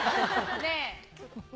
ねえ。